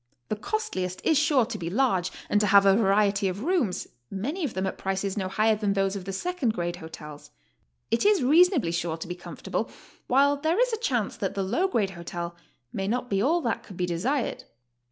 The costliest is sure to be large, and to have a variety of rooms, many of them at prices no higher than those of the second grade hotels. It is reasonably sure to be comfortable, while there is a chance that the low grade hotel may not be all that could be desired.